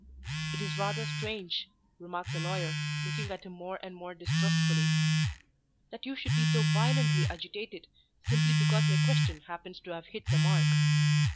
"It's rather strange," remarked the lawyer, looking at him more and more distrustfully, "that you should be so violently agitated, simply because my question happens to have hit the mark."